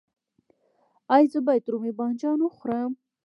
ایا زه باید رومی بانجان وخورم؟